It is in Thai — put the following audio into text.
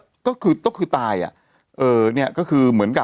มีสารตั้งต้นเนี่ยคือยาเคเนี่ยใช่ไหมคะ